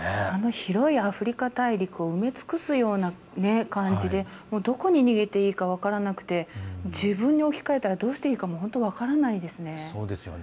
広いアフリカ大陸を埋め尽くすような感じでどこに逃げていいか分からなくて自分に置き換えたらどうしていいか分からないですね。